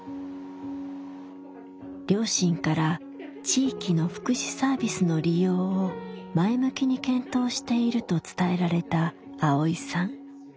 両親から地域の福祉サービスの利用を前向きに検討していると伝えられたアオイさん。